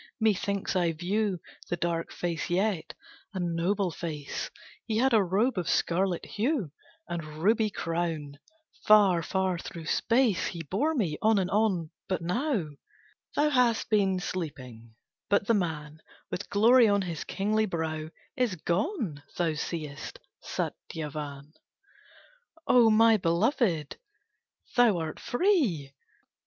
Methinks I view The dark face yet a noble face, He had a robe of scarlet hue, And ruby crown; far, far through space He bore me, on and on, but now," "Thou hast been sleeping, but the man With glory on his kingly brow, Is gone, thou seest, Satyavan! "O my belovèd, thou art free!